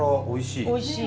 おいしい。